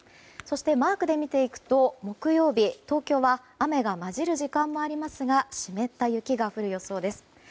そして、マークで見ていくと木曜日東京は雨が交じる時間もありますが湿った雪が降る予想です。